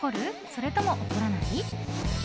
それとも怒らない？